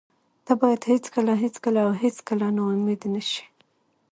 ته باید هېڅکله، هېڅکله او هېڅکله نا امید نشې.